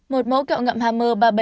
một mẫu kẹo ngậm hammer